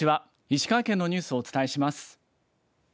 石川県のニュースをお伝えします。